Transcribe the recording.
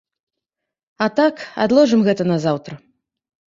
А так, адложым гэта на заўтра!